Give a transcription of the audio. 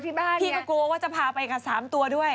พี่ก็กลัวว่าจะพาไปกับ๓ตัวด้วย